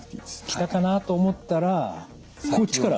きたかなと思ったらこっちから？